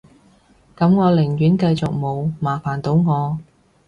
噉我寧願繼續冇，麻煩到我